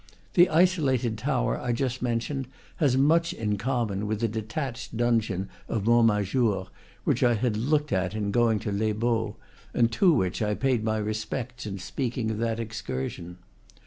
The isolated tower I just mentioned has much in common with the detached donjon of Montmajour, which I had looked at in going to Les Baux, and to which I paid my respects in speaking of that excursion.